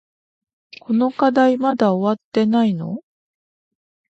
この課題まだ終わってないの？